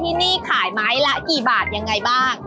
ที่นี่ขายไม้ละกี่บาทยังไงบ้าง